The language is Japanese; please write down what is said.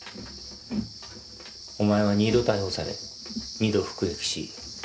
お前は二度逮捕され二度服役し